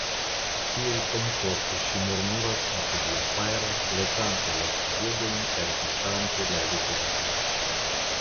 Tiel komforte ŝi murmuras apud la fajro lekante la piedojn kaj viŝante la vizaĝon.